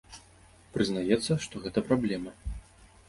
Прызнаецца, што гэта праблема.